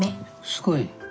すごい。